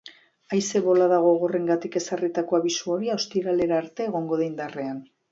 Haize bolada gogorrengatik ezarritako abisu horia ostiralera arte egongo da indarrean.